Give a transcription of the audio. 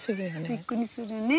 びっくりするね。